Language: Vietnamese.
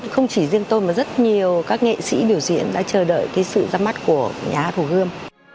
không chỉ riêng tôi mà rất nhiều các nghệ sĩ biểu diễn đã chờ đợi cái sự ra mắt của nhà hát hồ gươm